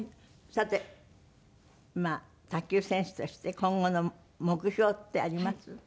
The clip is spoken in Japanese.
さてまあ卓球選手として今後の目標ってあります？